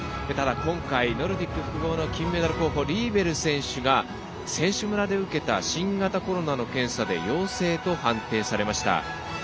ただ、今回ノルディック複合の金メダル候補リーベル選手が選手村で受けた新型コロナの検査で陽性と判定されました。